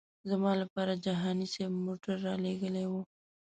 زما لپاره جهاني صاحب موټر رالېږلی و.